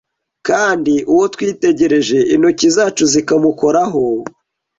kandi uwo twitegereje intoki zacu zikamukoraho